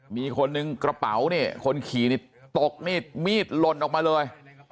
มีคนนึงกระเป๋าเนี่ยคนขี่นี่ตกมีดมีดหล่นออกมาเลย